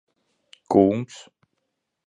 Kungs?